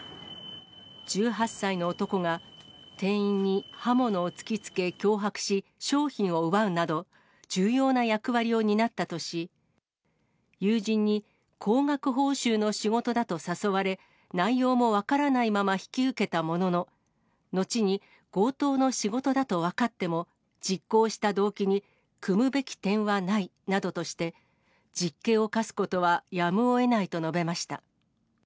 １８歳の男が店員に刃物を突きつけ、脅迫し、商品を奪うなど、重要な役割を担ったとし、友人に高額報酬の仕事だと誘われ、内容も分からないまま引き受けたものの、後に強盗の仕事だと分かっても、実行した動機に酌むべき点はないなどとして、実刑を科すことはやむをえないと述べました。